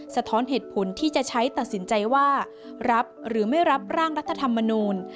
สะท้อนเหตุผลที่จะใช้ตัดสินใจว่ารับหรือไม่รับร่างรัฐธรรมนูล